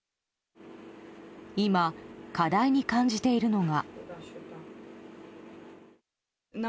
今、課題に感じているのが。